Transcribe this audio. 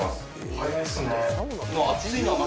早いですね。